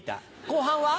後半は？